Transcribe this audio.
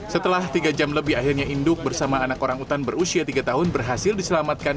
setelah tiga jam lebih akhirnya induk bersama anak orang utan berusia tiga tahun berhasil diselamatkan